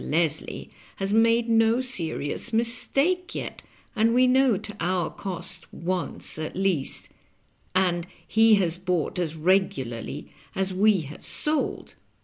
Leslie has made no serious mistake yet, as we know to our cost once at least, and he has bought as regularly as we have sold.